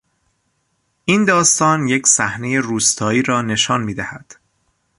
این داستان یک صحنهی روستایی را نشان میدهد.